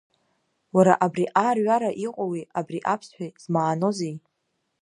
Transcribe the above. Уара абри аарҩара иҟоуи абри аԥсҭҳәеи змаанозеи?